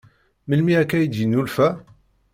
Melmi akka i d-yennulfa?